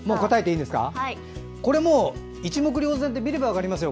これ、一目瞭然で見れば分かりますよ。